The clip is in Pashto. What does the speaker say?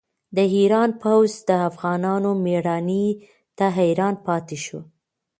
د ایران پوځ د افغانانو مېړانې ته حیران پاتې شو.